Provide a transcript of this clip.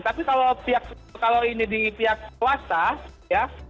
tapi kalau ini di pihak swasta ya